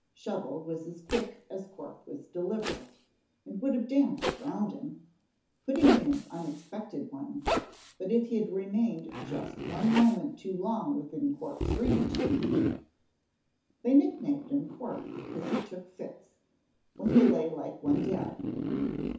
Shovel was as quick as Corp was deliberate, and would have danced round him, putting in unexpected ones, but if he had remained just one moment too long within Corp's reach They nicknamed him Corp because he took fits, when he lay like one dead.